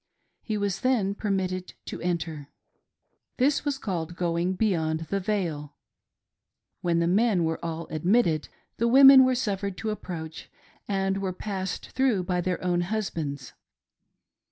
He was then permitted to enter. This was called " going b,ehind the veil." When the men were all admitted, the women were suffered to approach, and were passed through by their own husbands.